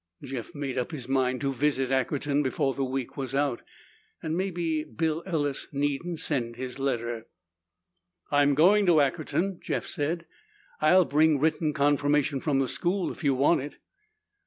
Jeff made up his mind to visit Ackerton before the week was out and maybe Bill Ellis needn't send his letter. "I'm going to Ackerton," Jeff said. "I'll bring written confirmation from the school if you want it."